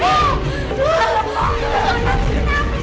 astrid astrid tanggung jawab